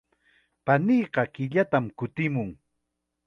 Paniiqa killatam kutimun.